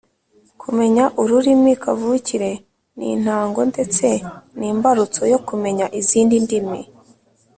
kumenya ururimi kavukire ni intango ndetse n’imbarutso yo kumenya izindi ndimi